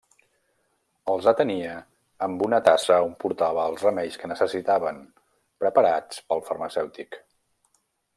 Els atenia amb una tassa on portava els remeis que necessitaven, preparats pel farmacèutic.